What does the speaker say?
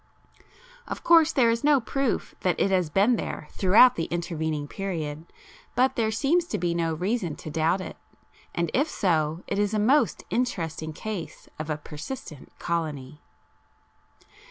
Of course there is no proof that it has been there throughout the intervening period, but there seems to be no reason to doubt it, and if so it is a most interesting case of a persistent colony.